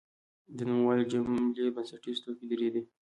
د نوموالي جملې بنسټیز توکي درې دي.